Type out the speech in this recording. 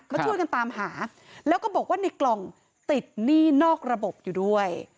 มาช่วยกันตามหาแล้วก็บอกว่าในกล่องติดหนี้นอกระบบอยู่ด้วย